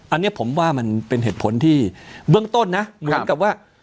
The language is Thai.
อันนี้ผมว่ามันเป็นเหตุผลที่เบื้องต้นนะเหมือนกับว่า